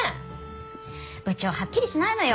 部長はっきりしないのよ。